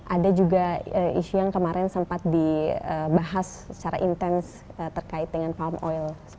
ada juga isu yang kemarin sempat dibahas secara intens terkait dengan palm oil